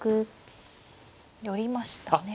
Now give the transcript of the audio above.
寄りましたね。